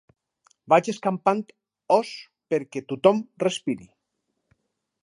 Vaig escampant os perquè tothom respiri.